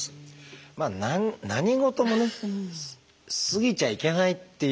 何事もね過ぎちゃいけないっていう。